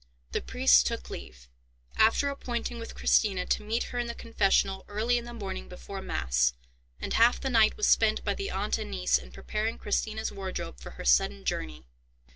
The priest took leave, after appointing with Christina to meet her in the confessional early in the morning before mass; and half the night was spent by the aunt and niece in preparing Christina's wardrobe for her sudden journey.